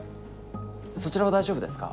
そちらは大丈夫ですか？